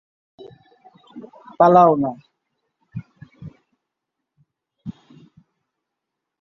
পালাও না।